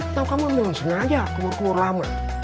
atau kamu memang sengaja kumur kumur lama